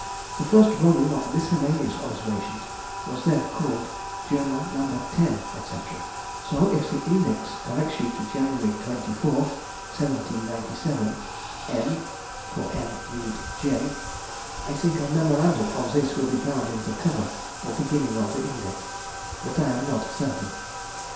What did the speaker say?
The first volume of miscellaneous observations was then called Journal No. 10, &c., ... so if the index directs you to January 24th, 1797 M. (for M. read J.) I think a memorandum of this will be found in the cover or beginning of the index, but I am not certain.